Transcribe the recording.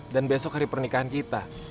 dan besok hari pernikahan kita